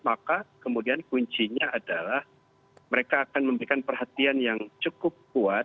maka kemudian kuncinya adalah mereka akan memberikan perhatian yang cukup kuat